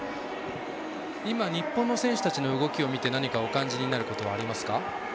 今、日本の選手たちの動きを見て何かお感じになることありますか。